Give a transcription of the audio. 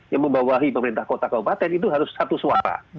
yang membawahi pemerintah kota kabupaten itu harus satu suara